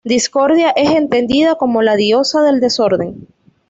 Discordia es entendida como la diosa del desorden.